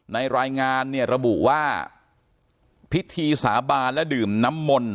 รายงานเนี่ยระบุว่าพิธีสาบานและดื่มน้ำมนต์